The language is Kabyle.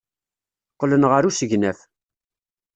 Qqlen ɣer usegnaf.